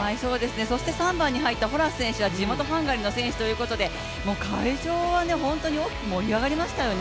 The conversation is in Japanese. ３番に入ったホラス選手は地元ハンガリーの選手ということで、会場は本当に大きく盛り上がりましたよね。